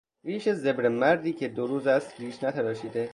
ریش زبر مردی که دو روز است ریش نتراشیده